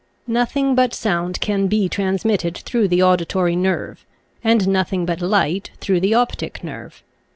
Nothing but sound can be transmitted through the auditory nerve, and nothing but light through the optic nerve.